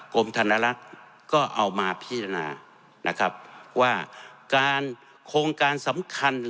กรมธนลักษณ์ก็เอามาพิจารณานะครับว่าการโครงการสำคัญ